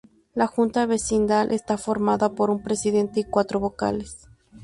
La Junta Vecinal está formada por un presidente y cuatro vocales.